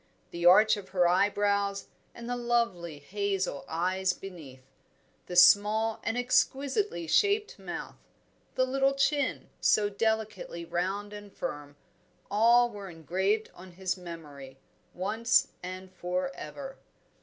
The arch of her eyebrows and the lovely hazel eyes beneath; the small and exquisitely shaped mouth; the little chin, so delicately round and firm; all were engraved on his memory, once and for ever.